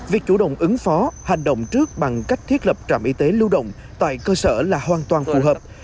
việc chủ động ứng phó hành động trước bằng cách thiết lập trạm y tế lưu động tại cơ sở là hoàn toàn phù hợp